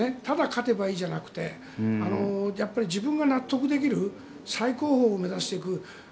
ただ勝てばいいじゃなくて自分が納得できる最高峰を目指していく。